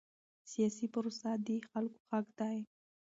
سیاسي پروسه د خلکو حق دی